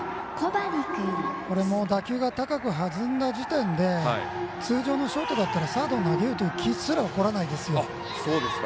これも打球が高く弾んだ時点で通常のショートだったらサードに投げるという気すら起こらないですよ。